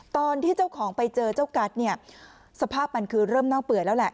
ตอนที่เจ้าของไปเจอเจ้ากัสเนี่ยสภาพมันคือเริ่มเน่าเปื่อยแล้วแหละ